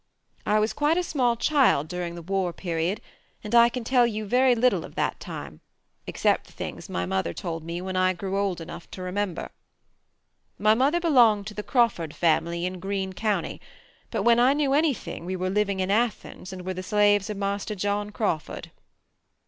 I was quite a small child during the war period, and I can tell you very little of that time, except the things my mother told me when I grew old enough to remember. My mother belonged to the Crawford family in Greene County, but when I knew anything we were living in Athens and were the slaves of Marster John Crawford.